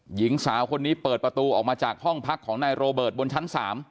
หญิงสาวคนนี้เปิดประตูออกมาจากห้องพักของนายโรเบิร์ตบนชั้น๓